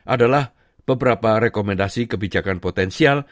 adalah beberapa rekomendasi kebijakan potensial